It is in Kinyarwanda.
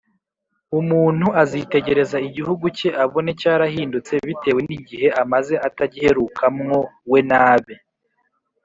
Umuntu azitegereza igihugu cye abone cyarahindutse, bitewe n’igihe amaze atagiherukamwo we nabe.